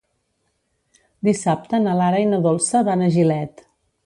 Dissabte na Lara i na Dolça van a Gilet.